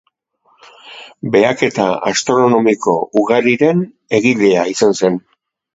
Behaketa astronomiko ugariren egilea izan zen.